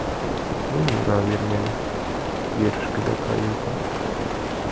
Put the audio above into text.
— Ну, йӧра, веран-верышкыда кайыза.